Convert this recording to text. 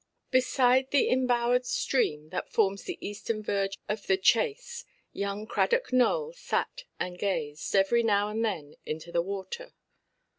Beside the embowered stream that forms the eastern verge of the chase, young Cradock Nowell sat and gazed, every now and then, into the water.